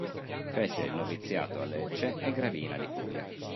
Fece il noviziato a Lecce e Gravina di Puglia.